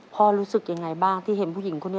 รู้สึกยังไงบ้างที่เห็นผู้หญิงคนนี้